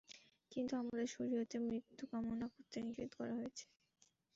কিন্তু আমাদের শরীয়তে মৃত্যু কামনা করতে নিষেধ করা হয়েছে।